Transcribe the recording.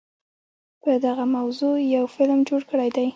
په دغه موضوع يو فلم جوړ کړے دے